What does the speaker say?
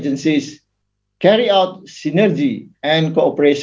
mengembangkan sinergi dan kooperasi